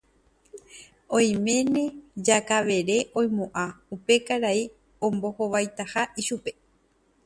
oiméne Jakavere oimo'ã upe karai ombohovaitaha ichupe.